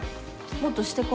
もっとしてこ。